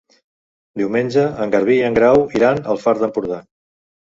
Diumenge en Garbí i en Grau iran al Far d'Empordà.